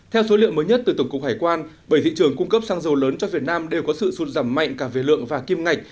theo số liệu mới nhất từ tổng cục hải quan bởi thị trường cung cấp xăng dầu lớn cho việt nam đều có sự sụt giảm mạnh cả về lượng và kim ngạch